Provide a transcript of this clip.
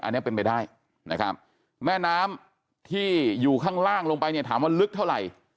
อันนี้เป็นไปได้นะครับแม่น้ำที่อยู่ข้างล่างลงไปเนี่ยถามว่าลึกเท่าไหร่